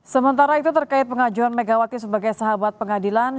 sementara itu terkait pengajuan megawati sebagai sahabat pengadilan